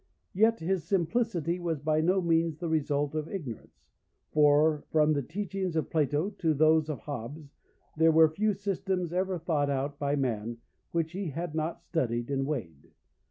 Yet his simplicity was by no means the result of ignorance, for from the teachings of Plato to those of Hobbes there were few systems ever thought out by man which he had not studied and weighed.